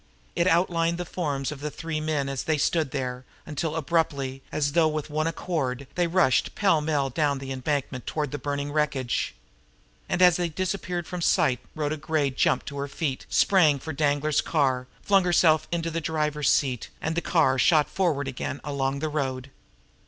It outlined the forms of the three men as they stood there, until, abruptly, as though with one accord, they rushed pell mell down the embankment toward the burning wreckage. And as they disappeared from sight Rhoda Gray jumped to her feet, sprang for Danglar's car, flung herself into the driver's seat, and the car shot forward again along the road.